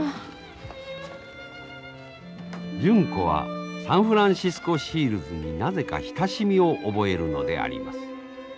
純子はサンフランシスコ・シールズになぜか親しみを覚えるのであります。